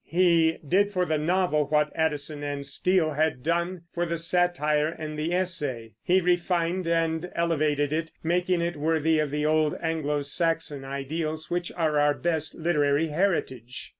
So he did for the novel what Addison and Steele had done for the satire and the essay; he refined and elevated it, making it worthy of the old Anglo Saxon ideals which are our best literary heritage.